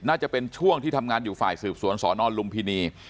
น่าจะเป็นช่วงที่ทำงานอยู่ฝ่ายสืบสวนสอนอนลุมพินี